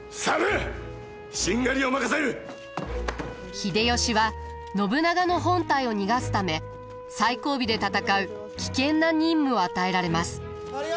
秀吉は信長の本隊を逃がすため最後尾で戦う危険な任務を与えられます。